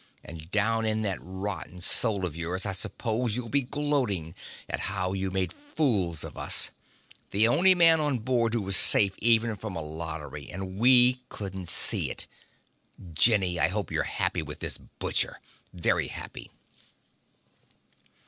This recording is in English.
And down in that rotten soul of yours, I suppose you'll be gloating at how you made fools of us. The only man on board who was safe even from a lottery, and we couldn't see it. Jenny, I hope you'll be happy with this butcher. Very happy!"